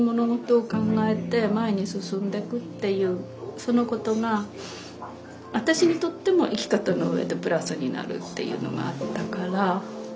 そのことが私にとっても生き方の上でプラスになるっていうのがあったから。